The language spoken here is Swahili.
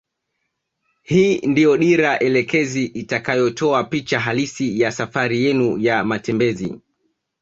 Hii ndio dira elekezi itakayotoa picha halisi ya safari yenu ya matembezi